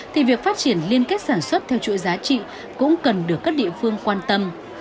thì việc phát triển liên kết sản xuất theo chuỗi giá trị cũng cần được các địa phương quan tâm